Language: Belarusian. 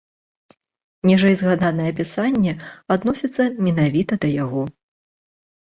Ніжэйзгаданае апісанне адносіцца менавіта да яго.